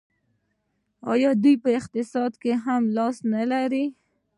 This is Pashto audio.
آیا دوی په اقتصاد کې هم لاس نلري؟